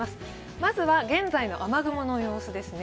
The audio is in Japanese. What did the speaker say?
まずは現在の雨雲の様子ですね。